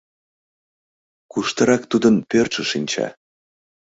Куштырак тудын пӧртшӧ шинча?..